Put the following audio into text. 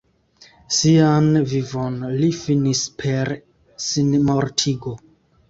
Sian vivon li finis per sinmortigo.